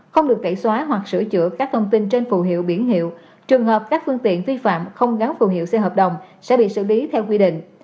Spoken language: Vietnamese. không được tẩy xóa hoặc sửa chữa các thông tin trên phù hiệu biển hiệu trường hợp các phương tiện vi phạm không gắn phù hiệu xe hợp đồng sẽ bị xử lý theo quy định